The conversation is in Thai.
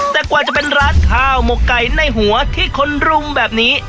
แต่กว่าจะเป็นร้านข้าวหมกไก่ในหัวที่คนรุมแบบนี้